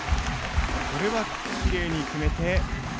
これはきれいに決めて。